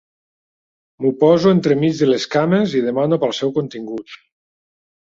M'ho poso entremig de les cames i demano pel seu contingut.